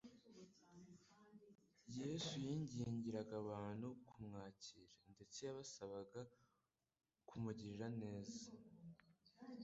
Yesu yingingiraga abantu kumwakira, ndetse yabasabaga kumtlgirira neza,